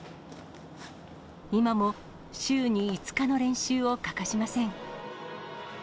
今も週に５日の練習を欠かしません。